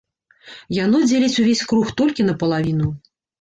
Яно дзеліць увесь круг толькі напалавіну.